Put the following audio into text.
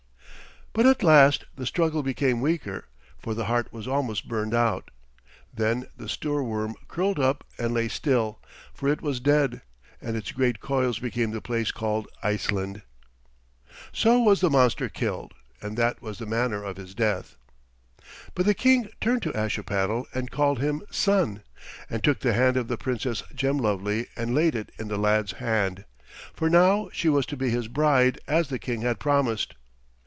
But at last the struggle became weaker, for the heart was almost burned out. Then the Stoorworm curled up and lay still, for it was dead, and its great coils became the place called Iceland. So was the monster killed, and that was the manner of his death! But the King turned to Ashipattle and called him son, and took the hand of the Princess Gemlovely and laid it in the lad's hand, for now she was to be his bride as the King had promised.